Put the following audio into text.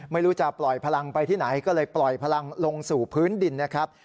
ไม่รู้จะปล่อยพลังไปที่ไหนก็เลยปล่อยพลังลงสู่พื้นดินนะครับ